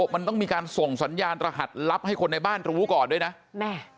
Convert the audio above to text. มันต้องมีการส่งสัญญาณรหัสลับให้คนในบ้านรู้ก่อนด้วยนะแม่